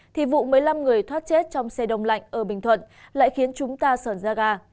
thì vụ một mươi năm người thoát chết trong xe đông lạnh ở bình thuận lại khiến chúng ta sởn ra gà